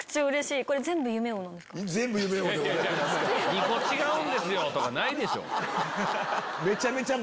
２個違うんですよ！とかないでしょ。